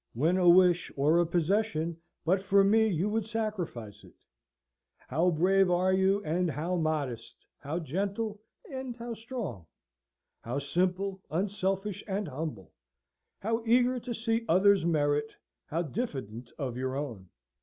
When a wish, or a possession, but for me you would sacrifice it? How brave are you, and how modest; how gentle, and how strong; how simple, unselfish, and humble; how eager to see others' merit; how diffident of your own!"